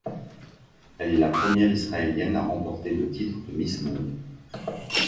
Elle est la première isralienne à remporter le titre de Miss Monde.